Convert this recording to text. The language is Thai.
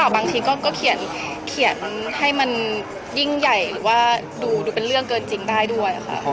บางทีก็เขียนให้มันยิ่งใหญ่หรือว่าดูเป็นเรื่องเกินจริงได้ด้วยค่ะ